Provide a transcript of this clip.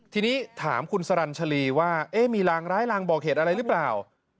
ทีนี้ถามคุณสรรชรีว่ามีรางร้ายลางบอกเหตุอะไรหรือเปล่า